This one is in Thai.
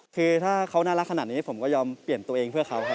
คือถ้าเขาน่ารักขนาดนี้ผมก็ยอมเปลี่ยนตัวเองเพื่อเขาครับ